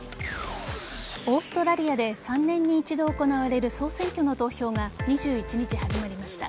オーストラリアで３年に１度行われる総選挙の投票が２１日始まりました。